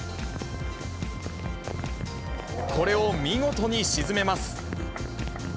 これを見事に沈めます。